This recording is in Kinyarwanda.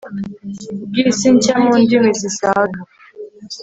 bw isi nshya mu ndimi zisaga